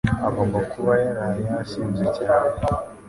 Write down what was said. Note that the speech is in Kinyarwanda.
Agomba kuba yaraye yasinze cyane